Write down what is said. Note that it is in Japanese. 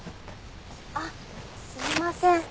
あっすみません。